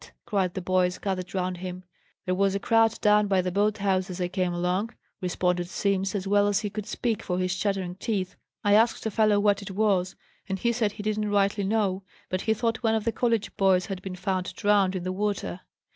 cried the boys, gathering round him. "There was a crowd down by the boat house as I came along," responded Simms, as well as he could speak for his chattering teeth. "I asked a fellow what it was, and he said he didn't rightly know, but he thought one of the college boys had been found drowned in the water."